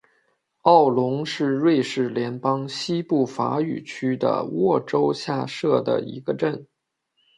奥龙是瑞士联邦西部法语区的沃州下设的一个镇。